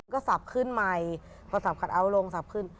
ก็สับขึ้นใหม่พอสับคัทเอาท์ลงสับขึ้น